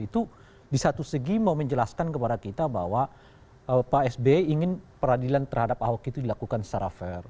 itu di satu segi mau menjelaskan kepada kita bahwa pak sby ingin peradilan terhadap ahok itu dilakukan secara fair